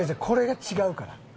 これが違うから。